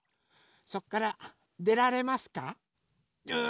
そっからでられますか？